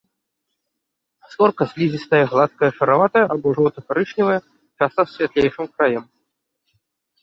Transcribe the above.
Скурка слізістая, гладкая, шараватая або жоўта-карычневая, часта з святлейшым краем.